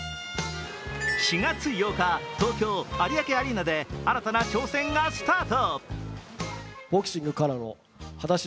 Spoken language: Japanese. ４月８日、東京・有明アリーナで新たな挑戦がスタート。